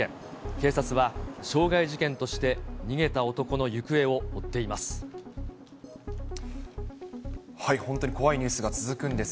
警察は傷害事件として逃げた男の行方を追っています。